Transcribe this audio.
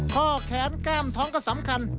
ข้อแขนแก้มท้องก็สำคัญ